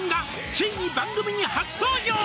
「ついに番組に初登場」